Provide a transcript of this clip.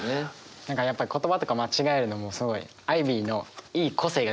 何かやっぱり言葉とか間違えるのもすごいアイビーのいい個性が出てるし。